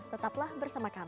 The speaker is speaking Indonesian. tetaplah bersama kami